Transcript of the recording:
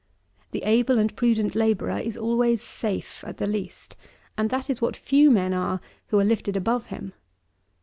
The able and prudent labourer is always safe, at the least; and that is what few men are who are lifted above him.